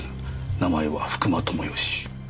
名前は福間知義。